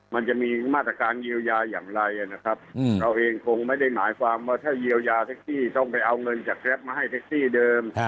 มันจะมีมาตรการเยียวยาอย่างไรนะครับเราเองคงไม่ได้หมายความว่าถ้าเยียวยาแท็กซี่ต้องไปเอาเงินจากแกรปมาให้แท็กซี่เดิม